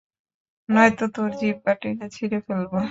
নয়তো, তোর জিহ্বা টেনে ছিড়ে ফেলবো!